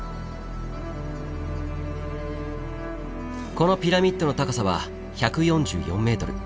このピラミッドの高さは１４４ｍ。